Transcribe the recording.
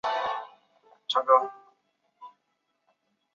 塔夸里廷加是巴西圣保罗州的一个市镇。